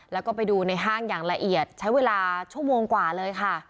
แล้วก็ไปดูในห้างอย่างละเอียดใช้เวลาชั่วโมงกว่าเลยค่ะ